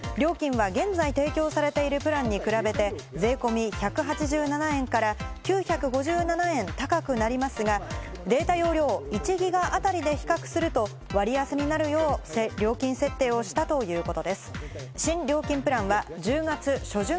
料金は現在、提供されているプランに比べて税込み１８７円から９５７円高くなりますが、データ容量１ＧＢあたりで比較すると割安になるよう、料金設定をしたということです。